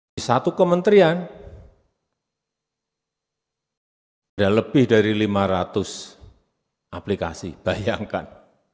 di satu kementerian ada lebih dari lima ratus aplikasi bayangkan